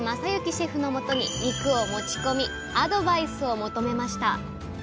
シェフのもとに肉を持ち込みアドバイスを求めました。